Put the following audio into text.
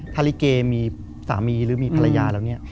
ถ้าลิเกมีสามีหรือมีภรรยาแล้วเนี่ย